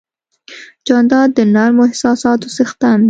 جانداد د نرمو احساساتو څښتن دی.